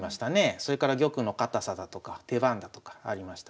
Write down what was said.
それから玉の堅さだとか手番だとかありました。